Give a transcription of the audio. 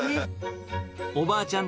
おばあちゃん